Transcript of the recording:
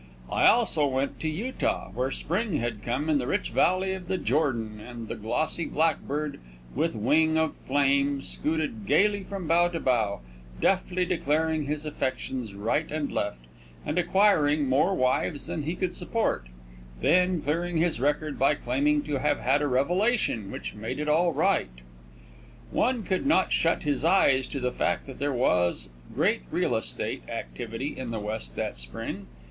I also went to Utah, where spring had come in the rich valley of the Jordan and the glossy blackbird, with wing of flame, scooted gaily from bough to bough, deftly declaring his affections right and left, and acquiring more wives than he could support, then clearing his record by claiming to have had a revelation which made it all right. One could not shut his eyes to the fact that there was great real estate activity in the West that spring.